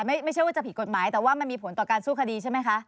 ไม่ใช่ว่าจะผิดกฎหมายแต่ว่ามันมีผลต่อการสู้คดีใช่ไหมคะ